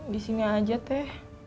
di sini aja teh